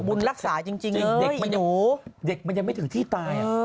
บุญรักษาจริงเด็กมันยังไม่ถึงที่ตาย